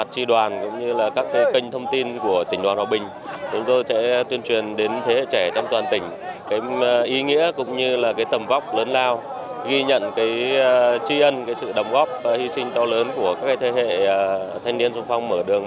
chúng tôi sẽ tuyên truyền đến thế hệ trẻ trong toàn tỉnh cái ý nghĩa cũng như là cái tầm vóc lớn lao ghi nhận cái tri ân cái sự đồng góp hi sinh to lớn của các thế hệ thanh niên sung phong mở đường một mươi hai b